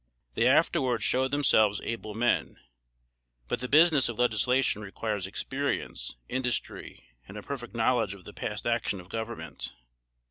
They afterwards showed themselves able men; but the business of legislation requires experience, industry, and a perfect knowledge of the past action of government.